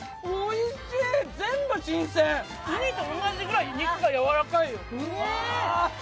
うにと同じくらい、肉がやわらかいよ。